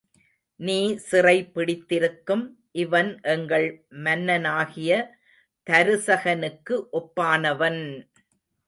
நீ சிறை பிடித்திருக்கும் இவன் எங்கள் மன்னனாகிய தருசகனுக்கு ஒப்பானவன்!